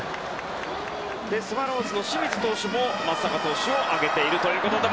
スワローズの清水投手も松坂投手を挙げているということです。